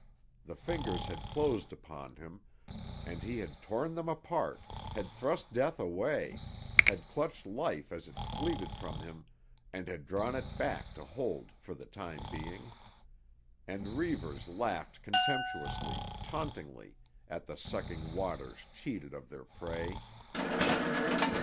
The fingers had closed upon him, and he had torn them apart, had thrust death away, had clutched life as it fleeted from him and had drawn it back to hold for the time being. And Reivers laughed contemptuously, tauntingly, at the sucking waters cheated of their prey.